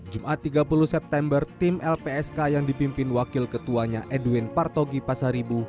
jumat tiga puluh september tim lpsk yang dipimpin wakil ketuanya edwin partogi pasaribu